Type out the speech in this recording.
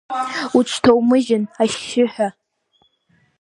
Уҽҭоумыжьын, ашьшьыҳәа!